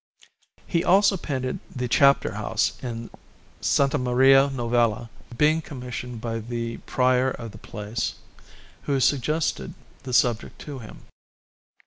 He also painted the Chapter house in S. Maria Novella, being commissioned by the Prior of the place, who suggested the subject to him.